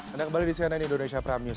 anda kembali di cnn indonesia prime news